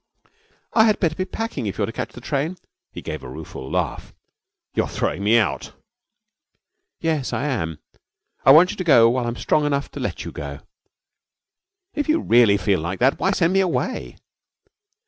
'I had better be packing if you're to catch the train.' He gave a rueful laugh. 'You're throwing me out!' 'Yes, I am. I want you to go while I am strong enough to let you go.' 'If you really feel like that, why send me away?'